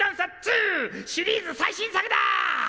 シリーズ最新作だ！